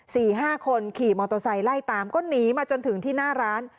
สี่ห้าคนขี่มอเตอร์ไซค์ไล่ตามก็หนีมาจนถึงที่หน้าร้าน